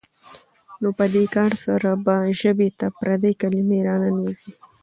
نو په دې کار سره به ژبې ته پردۍ کلمې راننوځي.